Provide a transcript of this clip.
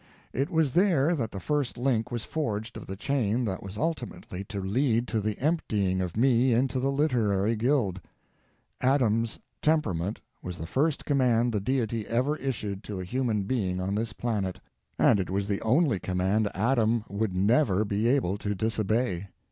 It was there that the first link was forged of the chain that was ultimately to lead to the emptying of me into the literary guild. Adam's TEMPERAMENT was the first command the Deity ever issued to a human being on this planet. And it was the only command Adam would NEVER be able to disobey.